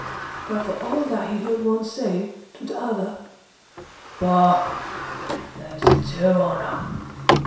But for all that he heard one say to t' other, "By , there's two on 'em!"